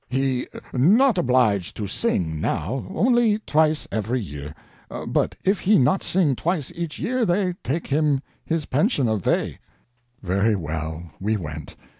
He not obliged to sing now, only twice every year; but if he not sing twice each year they take him his pension away." Very well, we went.